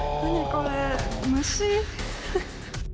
これ虫。